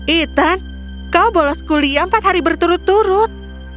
ethan kau bolos kuliah empat hari berturut turut